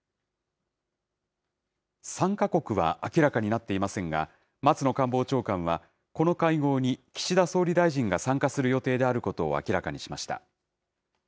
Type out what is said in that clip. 参加国は明らかになっていませんが、松野官房長官は、この会合に岸田総理大臣が参加する予定であることを明らかにしました。